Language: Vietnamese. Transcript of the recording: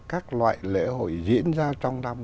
các loại lễ hội diễn ra trong năm